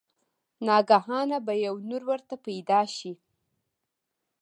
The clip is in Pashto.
ناګهانه به يو نُور ورته پېدا شي